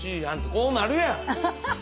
こうなるやん！